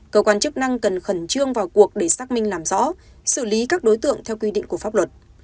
cơ quan chức năng cần khẩn trương vào cuộc để xác minh làm rõ xử lý các đối tượng theo quy định của pháp luật